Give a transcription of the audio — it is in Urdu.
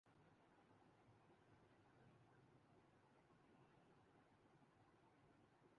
پاکستان اسٹیلز ملزملازمین کو تنخواہوں کی عدم ادائیگی پرسندھ ہائی کورٹ کا برہمی کااظہار